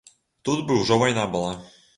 Тут бы ўжо вайна была.